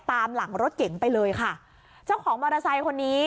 ตามหลังรถเก๋งไปเลยค่ะเจ้าของมอเตอร์ไซค์คนนี้